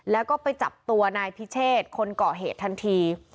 แล้วก็ไปจับตัวนายพิเชษคนเกาะเหตุทันที